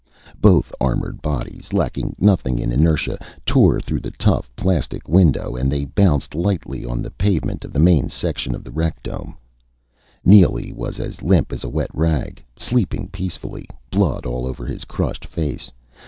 Both armored bodies, lacking nothing in inertia, tore through the tough plastic window, and they bounced lightly on the pavement of the main section of the rec dome. Neely was as limp as a wet rag, sleeping peacefully, blood all over his crushed face.